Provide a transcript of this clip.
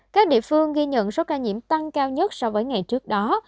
các địa phương ghi nhận số ca nhiễm tăng cao nhất so với ngày trước đó